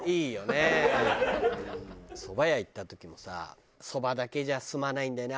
そば屋行った時もさそばだけじゃ済まないんだよね